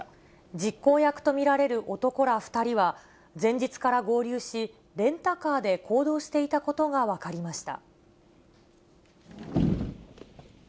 実行役と見られる男ら２人は、前日から合流し、レンタカーで行動していたことが分かりました。